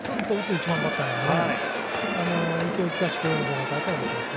１番バッターなので勢いづかせてくれるんじゃないかと思います。